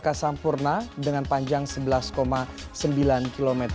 jaka sampurna dengan panjang sebelas sembilan km